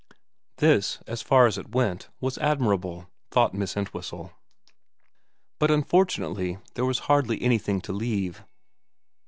This, as far as it went, was admirable, thought Miss Entwhistle, but un fortunately there was hardly anything to leave.